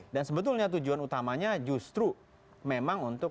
dan sebetulnya tujuan utamanya justru memang untuk